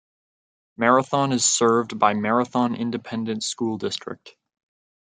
Marathon is served by Marathon Independent School District.